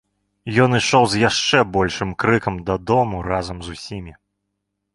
Ён ішоў з яшчэ большым крыкам дадому разам з усімі.